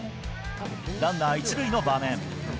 ランナー１塁の場面。